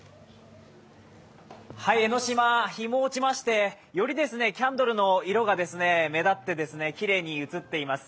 はい、江の島、日も落ちましてよりキャンドルの色が目立って、きれいに映っています。